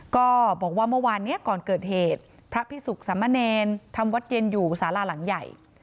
ก็บอกว่าเมื่อวานนี้ก่อนเกิดเหตุพระพิสุขสมเนรทำวัดเย็นอยู่สาราหลังใหญ่